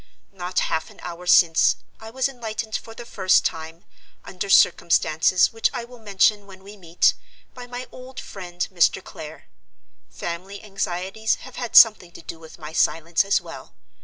Not half an hour since, I was enlightened for the first time (under circumstances which I will mention when me meet) by my old friend, Mr. Clare. Family anxieties have had something to do with my silence as well.